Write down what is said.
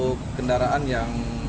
kalau untuk kendaraan yang tabrak larinya